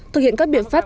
thực hiện các biện pháp